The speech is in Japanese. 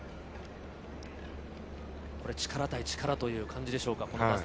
力対力という感じでしょうか。